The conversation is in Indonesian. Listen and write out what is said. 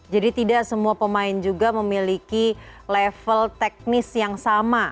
jadi tidak semua pemain juga memiliki level teknis yang sama